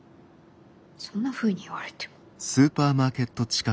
そんなふうに言われても。